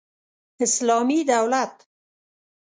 اسلامي دولت